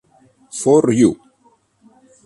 For you!